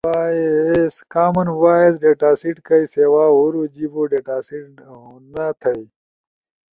کامن وائس ڈیٹاسیٹ کئی سیوا ہورو جیبو ڈیٹاسیٹ ہونا تھئی۔